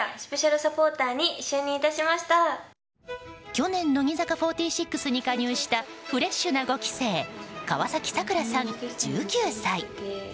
去年、乃木坂４６に加入したフレッシュな５期生川崎桜さん、１９歳。